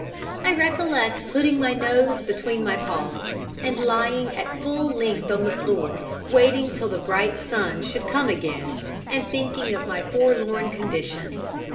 I recollect putting my nose between my paws, and lying at full length on the floor, waiting till the bright sun should come again, and thinking of my forlorn condition.